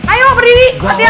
ayo berdiri latihan